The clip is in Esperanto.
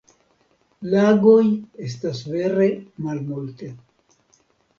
Lagoj estas vere malmulte.